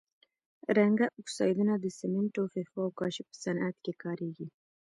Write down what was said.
رنګه اکسایدونه د سمنټو، ښيښو او کاشي په صنعت کې کاریږي.